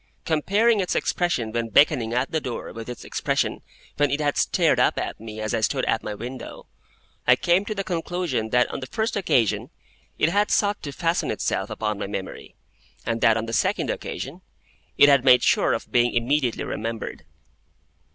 Comparing its expression when beckoning at the door with its expression when it had stared up at me as I stood at my window, I came to the conclusion that on the first occasion it had sought to fasten itself upon my memory, and that on the second occasion it had made sure of being immediately remembered.